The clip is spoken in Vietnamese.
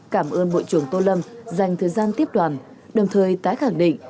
cảm ơn bộ trưởng tô lâm dành thời gian tiếp đoàn đồng thời tái khẳng định